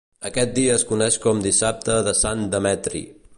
Aquest dia es coneix com Dissabte de Sant Demetri.